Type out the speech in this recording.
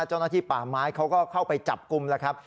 เจ้าหน้าที่ป่าไม้เขาก็เข้าไปจับกลุ่มแล้วครับ